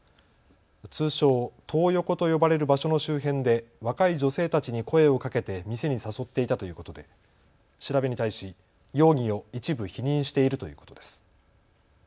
通称トー横と呼ばれる場所の周辺で若い女性たちに声をかけて店に誘っていたということで調べに対し容疑を一部否認しているということです。